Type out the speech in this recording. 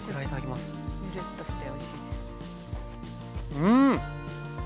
うん！